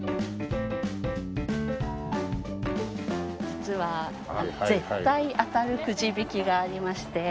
実は絶対当たるくじ引きがありまして。